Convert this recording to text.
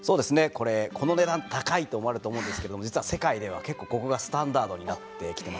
これ「この値段高い」と思われると思うんですけれども実は世界では結構ここがスタンダードになってきてます。